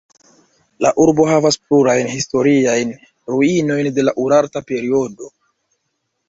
La urbo havas plurajn historiajn ruinojn de la urarta periodo.